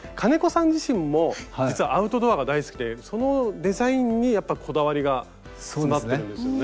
さん自身も実はアウトドアが大好きでそのデザインにやっぱこだわりが詰まってるんですよね。